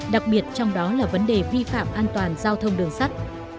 đặc biệt trong đó là vấn đề vi phạm an toàn giao thông đường sắt